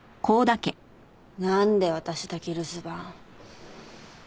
なんで私だけ留守番？